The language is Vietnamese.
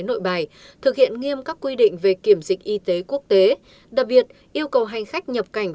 nội bài thực hiện nghiêm các quy định về kiểm dịch y tế quốc tế đặc biệt yêu cầu hành khách nhập cảnh